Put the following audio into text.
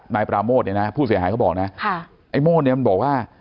นายปราโมทเนี่ยนะผู้เสียหายเขาบอกนะไอ้โม่เนี่ยมันบอกว่า